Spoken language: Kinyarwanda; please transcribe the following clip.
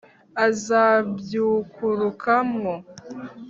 akazibyukuruka mwo,